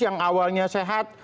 yang awalnya sehat